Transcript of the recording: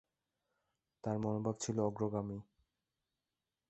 তার মনোভাব ছিল অগ্রগামী।